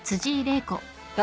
誰？